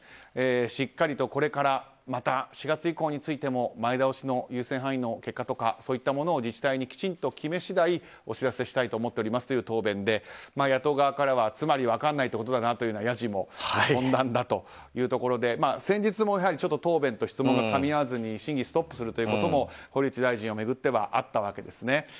しっかりとこれからまた４月以降についても前倒しの優先範囲の結果とかそういったものを自治体にきちんと決め次第お知らせしたいと思っておりますという答弁で野党側からはつまり分からないってことだなというやじも飛んだんだというところで先日も答弁と質問がかみ合わずに、審議がストップするということも堀内大臣を巡ってはあったわけですね。